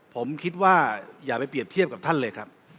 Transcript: ผมคิดว่าอย่าไปเปรียบเทียบกับท่านเลยครับ